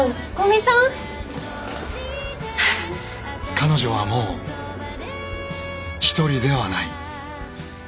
彼女はもうひとりではない。